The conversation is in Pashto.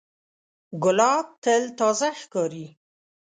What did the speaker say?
ګلاب تل تازه ښکاري.